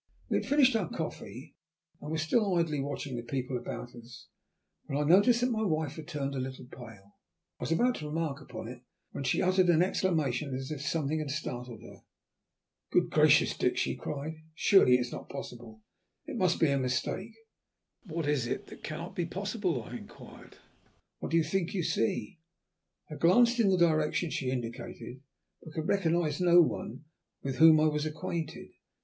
We had finished our coffee and were still idly watching the people about us when I noticed that my wife had turned a little pale. I was about to remark upon it, when she uttered an exclamation as if something had startled her. "Good gracious! Dick," she cried, "surely it is not possible. It must be a mistake." "What is it cannot be possible?" I inquired. "What do you think you see?" I glanced in the direction she indicated, but could recognize no one with whom I was acquainted.